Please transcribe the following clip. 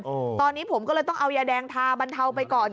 โอ้โหตอนนี้ผมก็เลยต้องเอายาแดงทาบรรเทาไปก่อน